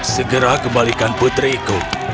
segera kembalikan putriku